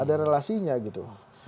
ada relasinya gitu